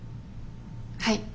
はい。